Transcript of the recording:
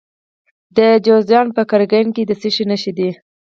د جوزجان په قرقین کې د څه شي نښې دي؟